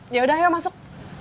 yaudah ayo masuk